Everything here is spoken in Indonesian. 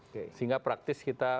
sehingga praktis kita